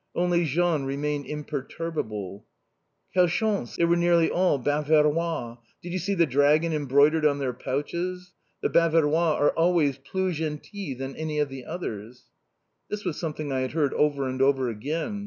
Only Jean remained imperturbable. "Quel Chance! They were nearly all Baverois! Did you see the dragon embroidered on their pouches? The Baverois are always plus gentilles than any of the others." This was something I had heard over and over again.